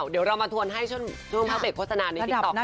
เดี๋ยวเรามาทวนให้ช่วงเผาเบ็ดโฆษณาในติ๊กต๊อบหน้า